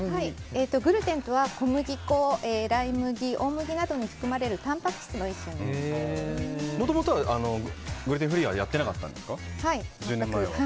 グルテンとは小麦粉、ライ麦大麦などに含まれるもともとはグルテンフリーははい、してなかったです。